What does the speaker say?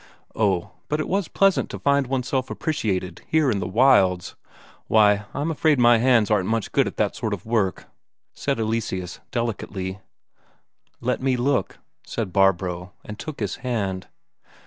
Oh, but it was pleasant to find oneself appreciated here in the wilds! "Why, I'm afraid my hands aren't much good at that sort of work," said Eleseus delicately. "Let me look," said Barbro, and took his hand.